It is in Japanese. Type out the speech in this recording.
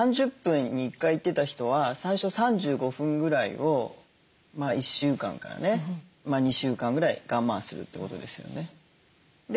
３０分に１回行ってた人は最初３５分ぐらいを１週間からね２週間ぐらい我慢するってことですよね。